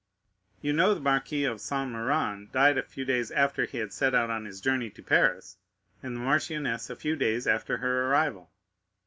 "You know the Marquis of Saint Méran died a few days after he had set out on his journey to Paris, and the marchioness a few days after her arrival?"